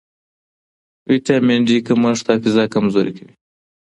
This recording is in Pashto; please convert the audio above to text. ویټامن ډي کمښت حافظه کمزورې کوي.